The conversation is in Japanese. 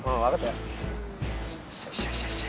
よしよし。